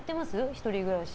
１人暮らし。